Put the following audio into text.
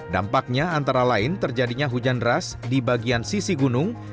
dampaknya antara lain terjadinya hujan deras di bagian sisi gunung